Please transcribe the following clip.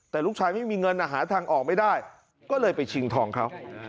แต่ลูกชายไม่มีเงินหาทางออกไม่ได้ก็เลยไปชิงทองเขา